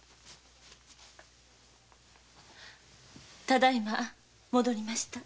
ただ今戻りました。